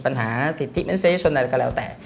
ปัญหาสิทธิเมืองไทยก่อนแล้วก็แล้วแต่